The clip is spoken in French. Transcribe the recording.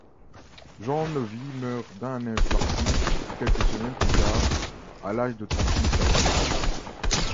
Jean Novi meurt d’un infarctus quelques semaines plus tard, à l’âge de trente-huit ans.